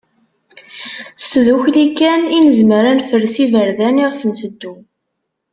S tdukkli kan i nezmer ad nefres iverdan i ɣef nteddu.